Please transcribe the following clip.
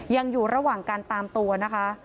ยังอยู่ระหว่างการตามตัวนะคะ